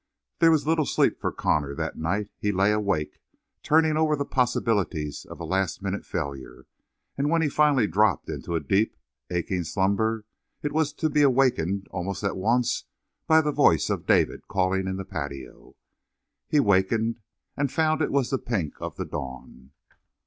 There was little sleep for Connor that night. He lay awake, turning over the possibilities of a last minute failure, and when he finally dropped into a deep, aching slumber it was to be awakened almost at once by the voice of David calling in the patio. He wakened and found it was the pink of the dawn.